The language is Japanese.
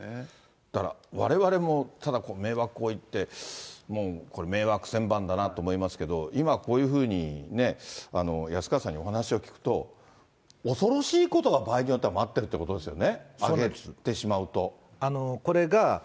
だから、われわれもただ迷惑行為って、もう、これ迷惑千万だなと思いますけど、今、こういうふうに安川さんにお話聞くと、恐ろしいことが場合によっては待ってるってことですよね。